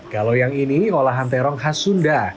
kalau yang ini olahan terong khas sunda